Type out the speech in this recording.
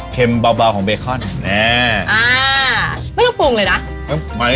เค็มบาวของเบคอนแน่อ่าไม่ต้องปรุงเลยนะไม่ต้อง